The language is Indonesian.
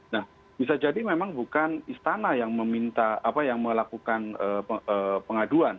nah bisa jadi memang bukan istana yang melakukan pengaduan